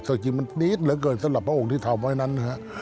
จริงมันดีดเหลือเกินสำหรับพระองค์ที่ทำไว้นั้นนะฮะ